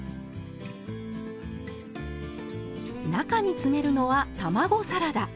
中に詰めるのは卵サラダ。